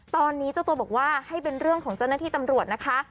ตอนนี้เจ้าตัวบอกว่าให้เป็นเรื่องของเจ้าหน้าที่ตำรวจนะคะ